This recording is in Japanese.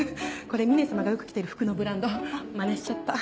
これ峰様がよく着てる服のブランドマネしちゃった。